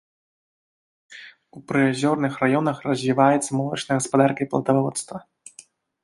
У прыазёрных раёнах развіваецца малочная гаспадарка і пладаводства.